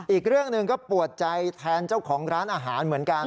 อีกเรื่องหนึ่งก็ปวดใจแทนเจ้าของร้านอาหารเหมือนกัน